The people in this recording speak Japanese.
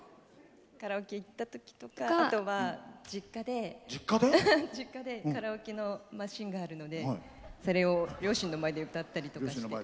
カラオケ行ったときとかあとは、実家でカラオケのマシンがあるのでそれを両親の前で歌ったりとか。